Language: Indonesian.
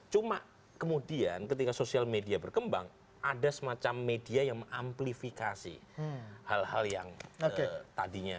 cuma kemudian ketika sosial media berkembang ada semacam media yang mengamplifikasi hal hal yang tadinya